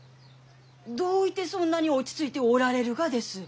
どういてそんなに落ち着いておられるがです？